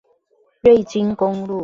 瑞金公路